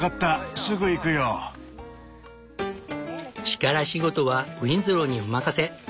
力仕事はウィンズローにお任せ。